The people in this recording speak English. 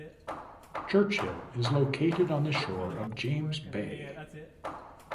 Churchill is located on the shore of James Bay.